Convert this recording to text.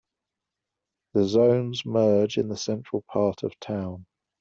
The zones merge in the central part of town.